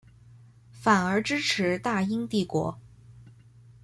反而支持大英帝国。